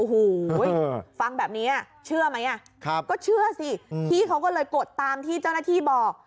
โอ้โหฟังแบบนี้เชื่อไหมอ่ะก็เชื่อสิพี่เขาก็เลยกดตามที่เจ้าหน้าที่บอก